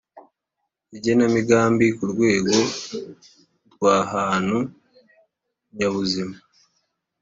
Igenamigambi ku rwego rw ahantu nyabuzima